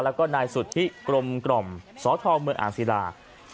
แล้วก็นายสุธิกลมกล่อมสทเมืองอ่างศิลา